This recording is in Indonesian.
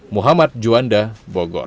muhammad juanda bogor